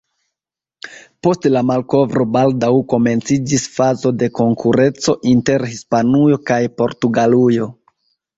Post la malkovro baldaŭ komenciĝis fazo de konkurenco inter Hispanujo kaj Portugalujo.